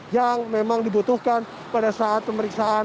yang memang dibutuhkan pada saat pemeriksaan